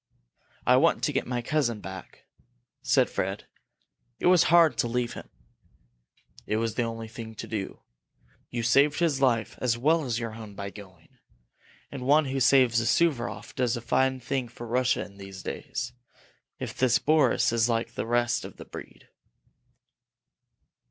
"I want to get my cousin back," said Fred. "It was hard to leave him." "It was the only thing to do. You saved his life as well as your own by going. And one who saves a Suvaroff does a fine thing for Russia in these days if this Boris is like the rest of the breed."